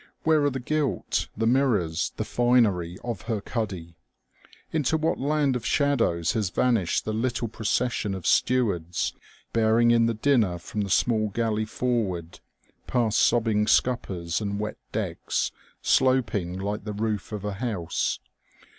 Where are the gilt, the mirrors, the finery of her cuddy? Into what land of shadows has vanished the little procession of stewards bearing in the dinner from the small galley forward, past sobbing scuppers and wet decks, sloping like the roof of a house